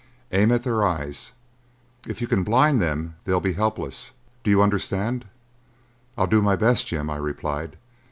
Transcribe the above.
Aim at their eyes; if you can blind them, they'll be helpless. Do you understand?" "I'll do my best, Jim," I replied.